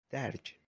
درج